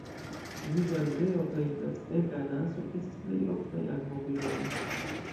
Griza ardeo kaj platbeka anaso estas la plej oftaj akvobirdoj.